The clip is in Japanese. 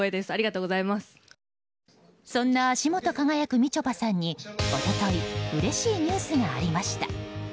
そんな足元輝くみちょぱさんに一昨日うれしいニュースがありました。